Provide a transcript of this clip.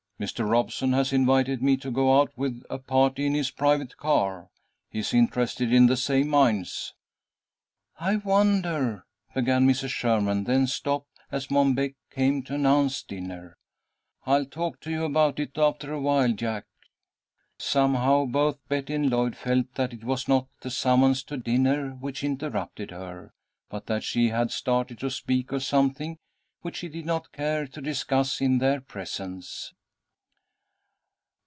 Mr. Robeson has invited me to go out with a party in his private car. He is interested in the same mines." "I wonder " began Mrs. Sherman, then stopped as Mom Beck came to announce dinner. "I'll talk to you about it after awhile, Jack." Somehow both Betty and Lloyd felt that it was not the summons to dinner which interrupted her, but that she had started to speak of something which she did not care to discuss in their presence.